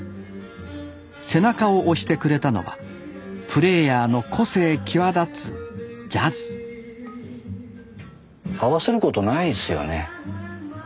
背中を押してくれたのはプレーヤーの個性際立つジャズ合わせることないですよね周りに。